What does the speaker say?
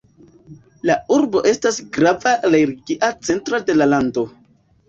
La urbo estas grava religia centro de la lando.